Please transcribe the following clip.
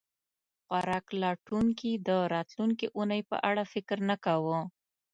خوراک لټونکي د راتلونکې اوونۍ په اړه فکر نه کاوه.